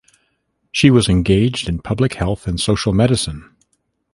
She was engaged in public health and social medicine.